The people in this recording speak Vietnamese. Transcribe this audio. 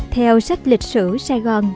theo sách lịch sử sài gòn